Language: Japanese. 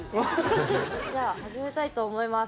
じゃあ始めたいと思います。